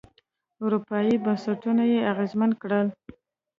اروپايي بنسټونه یې اغېزمن کړل.